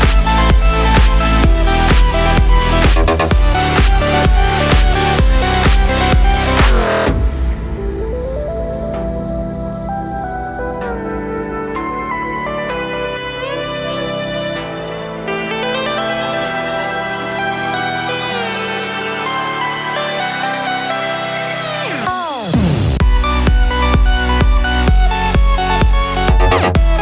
สวัสดีครับ